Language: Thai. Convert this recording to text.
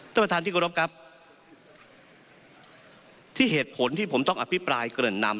ท่านประธานที่กรบครับที่เหตุผลที่ผมต้องอภิปรายเกริ่นนำ